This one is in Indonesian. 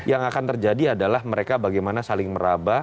yang akan terjadi adalah mereka bagaimana saling meraba